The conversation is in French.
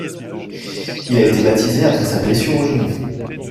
Il a été baptisé après sa blessure au genou.